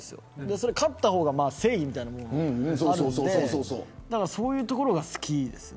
そこで勝った方が正義みたいなところがあるのでそういうところが好きですね。